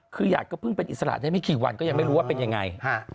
คือหยาดก็เพิ่งเป็นอิสระได้ไม่กี่วันก็ยังไม่รู้ว่าเป็นยังไง